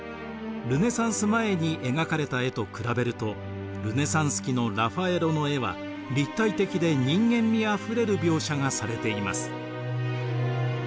ルネサンス前に描かれた絵と比べるとルネサンス期のラファエロの絵は立体的で人間味あふれる描写がされています。